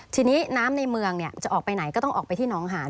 ทีนี้น้ำในเมืองจะออกไปไหนก็ต้องออกไปที่น้องหาน